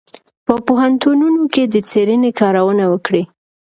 په پوهنتونونو کې د څېړنې کارونه وکړئ.